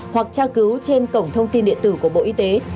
hoặc tra cứu trên cổng thông tin điện tử của bộ y tế